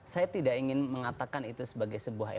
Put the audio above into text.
saya tidak ingin mengatakan itu sebagai sebuah